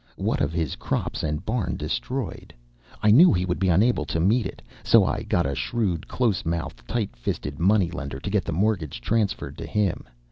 What of his crops and barn destroyed, I knew he would be unable to meet it. So I got a shrewd, close mouthed, tight fisted money lender to get the mortgage transferred to him.